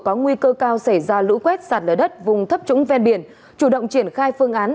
có nguy cơ cao xảy ra lũ quét sạt lở đất vùng thấp trũng ven biển chủ động triển khai phương án